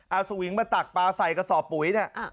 เอาสวิงมาตักปลาใส่กระสอบปุ๋ยเนี่ย